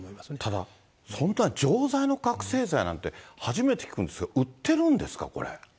ただそんな錠剤の覚醒剤なんて、初めて聞くんですけど、売ってるんですか、これ。